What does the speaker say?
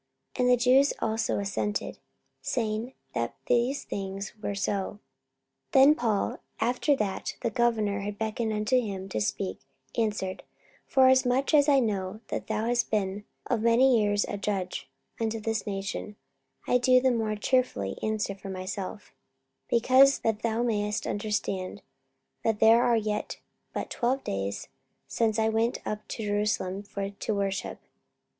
44:024:009 And the Jews also assented, saying that these things were so. 44:024:010 Then Paul, after that the governor had beckoned unto him to speak, answered, Forasmuch as I know that thou hast been of many years a judge unto this nation, I do the more cheerfully answer for myself: 44:024:011 Because that thou mayest understand, that there are yet but twelve days since I went up to Jerusalem for to worship.